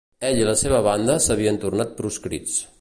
Ell i la seva banda s'havien tornat proscrits.